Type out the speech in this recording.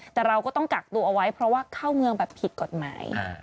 แต่เราก็ต้องกักตัวเอาไว้เพราะว่าเข้าเมืองแบบผิดกฎหมาย